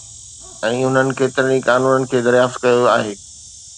۽ انهن ڪيترن ئي قانونن کي دريافت ڪيو آهي